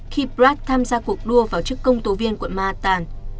khi pratt tham gia cuộc đua vào chức công tố viên quận manhattan